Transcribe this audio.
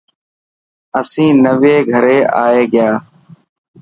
اسين نئوي گھري آئي گيا.